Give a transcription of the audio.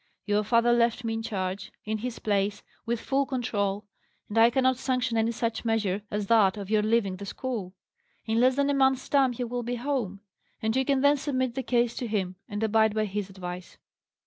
Your father left me in charge, in his place, with full control; and I cannot sanction any such measure as that of your leaving the school. In less than a month's time he will be home, and you can then submit the case to him, and abide by his advice."